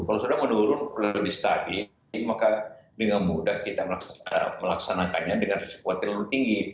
kalau sudah menurun lebih stabil maka dengan mudah kita melaksanakannya dengan resiko terlalu tinggi